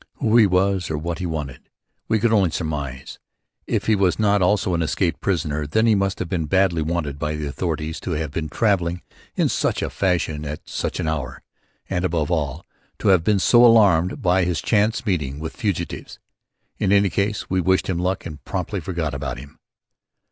Who he was or what he wanted, we could only surmise. If he was not also an escaped prisoner then he must have been badly wanted by the authorities to have been travelling in such a fashion at such an hour; and above all, to have been so alarmed by this chance meeting with fugitives. In any event we wished him luck and promptly forgot all about him.